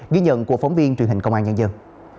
ghi nhận của phóng viên truyền hình công an nhân dân